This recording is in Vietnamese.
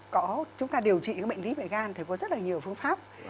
có chúng ta điều trị các bệnh lý về gan thì có rất là nhiều phương pháp